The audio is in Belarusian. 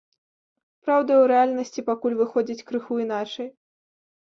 Праўда, у рэальнасці пакуль выходзіць крыху іначай.